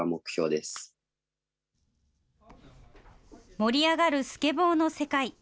盛り上がるスケボーの世界。